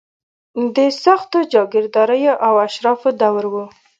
د سختو جاګیرداریو او اشرافو دور و.